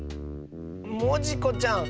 モジコちゃん。